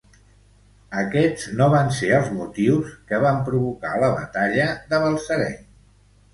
Aquests no van ser els motius que van provocar la batalla de Balsareny.